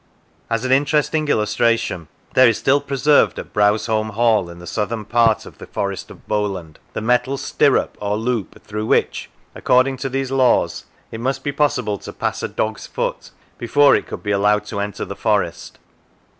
As an interesting illustration: There is still preserved at Browsholme Hall, in the southern part of the 206 Pendle Forest of Bowland, the metal " stirrup" or loop, through which, according to these laws, it must be possible to pass a dog's foot, before it could be allowed to enter the forest.